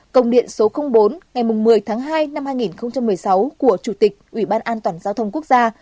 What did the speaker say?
công điện số bốn ngày một mươi tháng hai năm hai nghìn một mươi sáu của chủ tịch ủy ban an toàn giao thông quốc gia